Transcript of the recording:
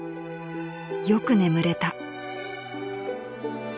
［「よく眠れた」］